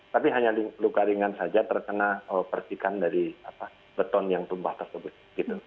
tapi hanya luka ringan saja terkena percikan dari beton yang tumpah tersebut